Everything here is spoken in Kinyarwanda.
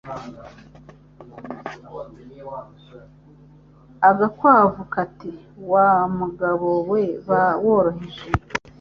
Agakwavu kati :« Wa mugabo we ba woroheje